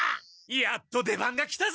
やっと出番が来たぜ！